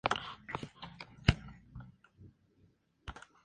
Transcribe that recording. Cleopatra está jugando con la cuerda